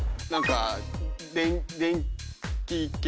何か。